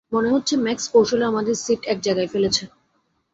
মনে হচ্ছে ম্যাক্স কৌশলে আমাদের সিট এক জায়গায় ফেলেছে।